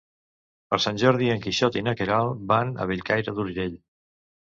Per Sant Jordi en Quixot i na Queralt van a Bellcaire d'Urgell.